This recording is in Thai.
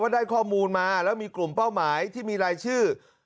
ได้ข้อมูลมาแล้วมีกลุ่มเป้าหมายที่มีรายชื่อ